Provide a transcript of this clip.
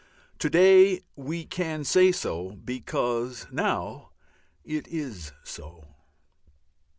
To day we can say so, because now it is so.